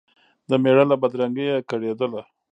د مېړه له بدرنګیه کړېدله